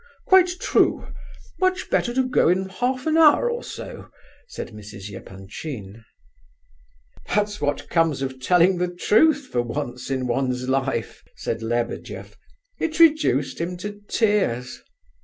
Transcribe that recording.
"Quite true! Much better to go in half an hour or so," said Mrs. Epanchin. "That's what comes of telling the truth for once in one's life!" said Lebedeff. "It reduced him to tears."